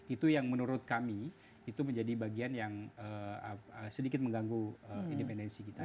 itu yang menurut kami itu menjadi bagian yang sedikit mengganggu independensi kita